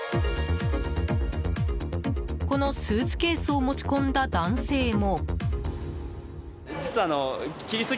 このスーツケースを持ち込んだ男性も。